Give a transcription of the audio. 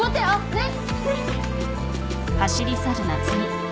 ねっ。